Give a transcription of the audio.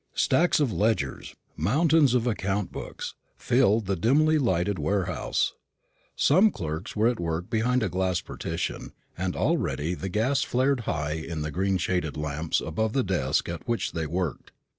Stacks of ledgers, mountains of account books, filled the dimly lighted warehouse. Some clerks were at work behind a glass partition, and already the gas flared high in the green shaded lamps above the desk at which they worked.